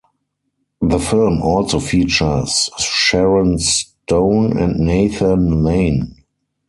The film also features Sharon Stone and Nathan Lane.